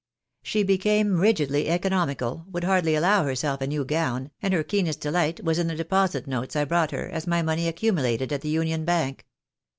She became rigidly economical, would hardly allow herself a new gown, and her keenest delight was in the deposit notes I brought her, as my money accumulated at the Union Bank.